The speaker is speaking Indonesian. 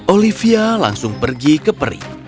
olivia langsung pergi ke peri